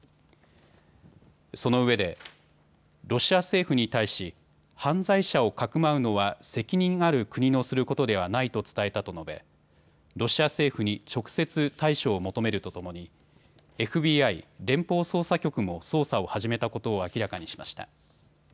そのうえでロシア政府に対し犯罪者をかくまうのは責任ある国のすることではないと伝えたと述べロシア政府に直接、対処を求めるとともにＦＢＩ・連邦捜査局も捜査を始めたことを明らかにしました。